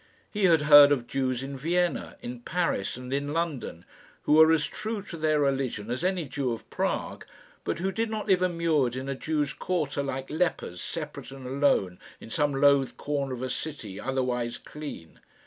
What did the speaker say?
He had heard of Jews in Vienna, in Paris, and in London, who were as true to their religion as any Jew of Prague, but who did not live immured in a Jews' quarter, like lepers separate and alone in some loathed corner of a city otherwise clean.